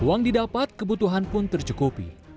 uang didapat kebutuhan pun tercukupi